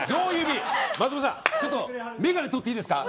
ちょっと眼鏡取っていいですか。